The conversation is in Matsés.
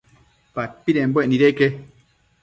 Padpidembuec nideque